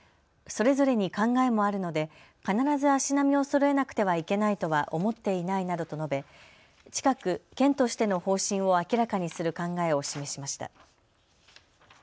それぞれに考えもあるので必ず足並みをそろえなくてはいけないとは思っていないなどと述べ近く、県としての方針を明らかにする考えを示しました。